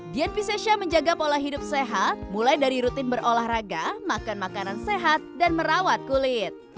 dian piscesha menjaga pola hidup sehat mulai dari rutin berolahraga makan makanan sehat dan merawat kulit